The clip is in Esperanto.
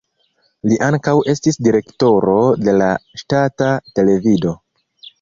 Li ankaŭ estis direktoro de la ŝtata televido.